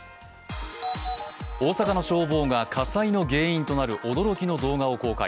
大阪の消防が火災の原因となる驚きの動画を公開。